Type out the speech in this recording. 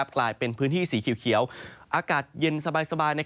กลายเป็นพื้นที่สีเขียวอากาศเย็นสบาย